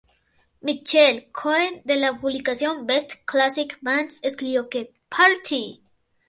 Mitchell Cohen de la publicación "Best Classic Bands" escribió que "Party!